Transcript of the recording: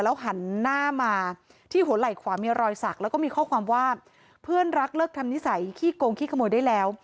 หันหน้ามาที่หัวไหล่ขวามีรอยสักแล้วก็มีข้อความว่าเพื่อนรักเลิกทำนิสัยขี้โกงขี้ขโมยได้แล้ว